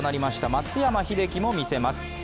松山英樹も見せます。